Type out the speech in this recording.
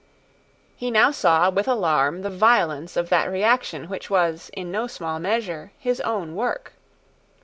He now saw with alarm the violence of that reaction which was, in no small measure, his own work.